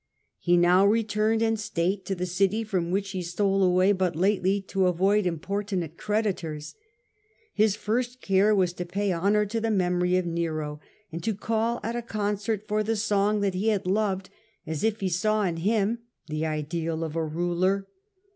He now returned in state to the city from which he stole away but lately to avoid importunate creditors. His first care was to pay honour to the memory of Nero and to call at a concert for the song that he had loved, as if he saw in him the ideal of a ruler.